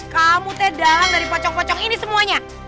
kamu teh dalang dari pocong pocong ini semuanya